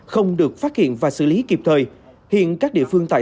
không được phát hiện và xử lý kịp thời